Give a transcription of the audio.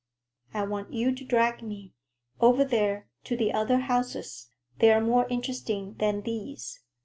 "I want you to drag me. Over there, to the other houses. They are more interesting than these."